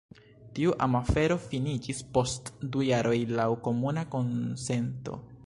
Tiu amafero finiĝis post du jaroj laŭ komuna konsento.